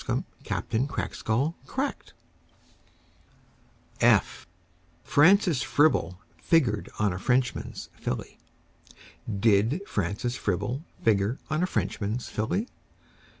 F f [Illustration: Francis Fribble] Francis Fribble figured on a Frenchman's Filly: Did Francis Fribble figure on a Frenchman's Filly?